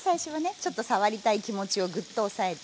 ちょっと触りたい気持ちをグッと抑えて。